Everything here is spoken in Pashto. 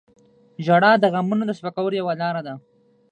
• ژړا د غمونو د سپکولو یوه لاره ده.